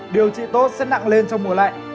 điều trị tốt sẽ nặng lên trong mùa lạnh